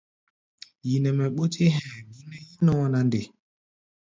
Yi nɛ mɛ ɓútí hɛ̧ɛ̧, bó nɛ́ yí-nɔɔ na nde?